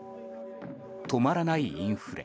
止まらないインフレ。